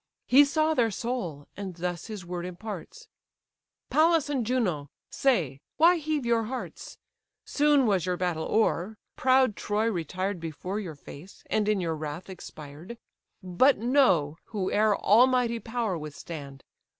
He saw their soul, and thus his word imparts: "Pallas and Juno! say, why heave your hearts? Soon was your battle o'er: proud Troy retired Before your face, and in your wrath expired. But know, whoe'er almighty power withstand!